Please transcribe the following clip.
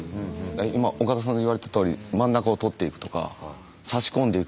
今岡田さんの言われたとおり真ん中を取っていくとか差し込んでいくとか。